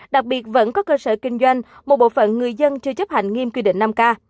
đặc biệt vẫn có cơ sở kinh doanh một bộ phận người dân chưa chấp hành nghiêm quy định năm k